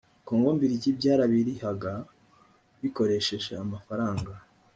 kongo mbirigi byarabirihaga bikoresheje amafaranga